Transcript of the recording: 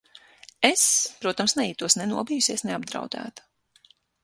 Es, protams, nejutos ne nobijusies, ne apdraudēta.